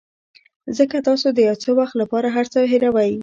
ځکه تاسو د یو څه وخت لپاره هر څه هیروئ.